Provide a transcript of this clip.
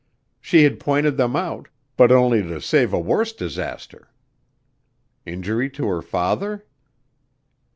She had pointed them out, but only to save a worse disaster. Injury to her father?